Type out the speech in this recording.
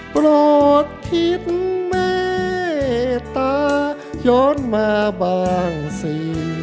ปลอดภิกษ์เมตตาย้อนมาบางสี